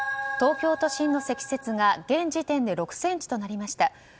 東京都心の積雪が現時点で６ｃｍとなりました。